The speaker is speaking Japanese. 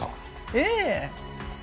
ええ。